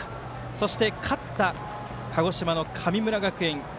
そして、勝った鹿児島の神村学園